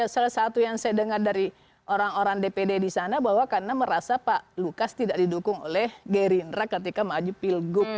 salah satu yang saya dengar dari orang orang dpd di sana bahwa karena merasa pak lukas tidak didukung oleh gerindra ketika maju pilgub